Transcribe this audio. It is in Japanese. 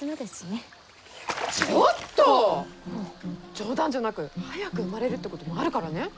冗談じゃなく早く生まれるってこともあるからね！